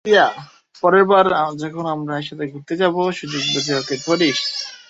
পরের বার যখন আমরা একসাথে ঘুরতে যাব, সুযোগ বুঝে ওকে ধরিস।